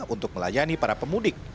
untuk melayani para pemudik